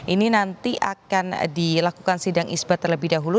ini nanti akan dilakukan sidang isbat terlebih dahulu